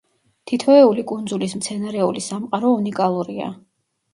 თითოეული კუნძულის მცენარეული სამყარო უნიკალურია.